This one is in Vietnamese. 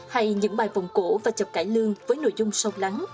hay những bài vòng cổ và chập cải lương với nội dung sâu lắng